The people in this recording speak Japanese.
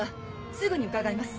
すぐに伺います。